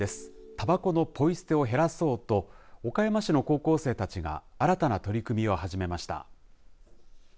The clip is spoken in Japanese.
たばこのポイ捨てを減らそうと岡山市の高校生たちが新たな取り組みを始めました。